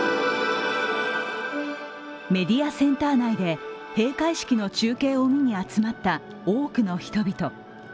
メディアセンター内で閉会式の中継を見に集まった多くの人々。